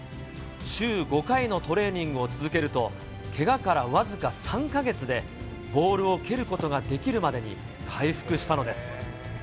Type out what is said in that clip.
週５回のトレーニングを続けると、けがから僅か３か月で、ボールを蹴ることができるまでに回復したのです。